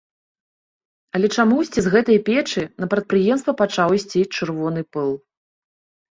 Але чамусьці з гэтай печы на прадпрыемства пачаў ісці чырвоны пыл.